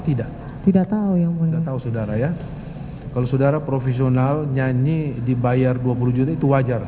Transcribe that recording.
tidak tidak tahu yang mulia tahu saudara ya kalau saudara profesional nyanyi dibayar dua puluh juta itu wajar